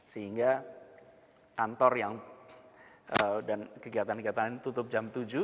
sehingga kantor yang kegiatan kegiatan ini tutup jam tujuh